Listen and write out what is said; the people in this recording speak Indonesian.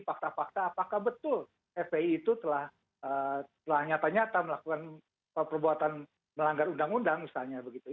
fakta fakta apakah betul fpi itu telah nyata nyata melakukan perbuatan melanggar undang undang misalnya begitu